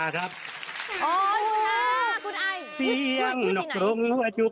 สวัสดีค่ะไหนฝั่งผู้ค้าครับ